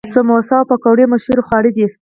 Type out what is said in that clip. سموسه او پکوړه مشهور خواړه دي.